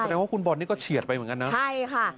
แสดงว่าคุณบอลนี่ก็เฉียดไปเหมือนกันนะใช่ค่ะ